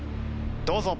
どうぞ。